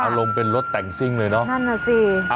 อารมณ์เป็นรถแต่งซิ่งเลยเนอะนั่นน่ะสิ